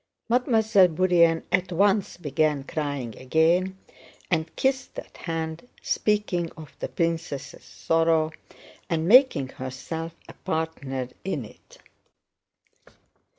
Mademoiselle Bourienne at once began crying again and kissed that hand, speaking of the princess' sorrow and making herself a partner in it.